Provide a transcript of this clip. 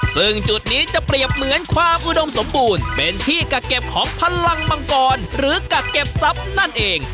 ซึ่งจุดนี้จะเปรียบเหมือนความอุดมสมบูรณ์เป็นที่กักเก็บของพลังมังกรหรือกักเก็บทรัพย์นั่นเอง